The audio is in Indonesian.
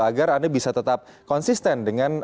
agar anda bisa tetap konsisten dengan